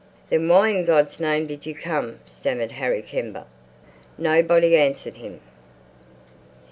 "Then why in God's name did you come?" stammered Harry Kember. Nobody answered him.